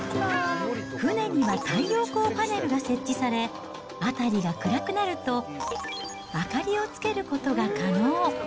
船には太陽光パネルが設置され、辺りが暗くなると、明かりをつけることが可能。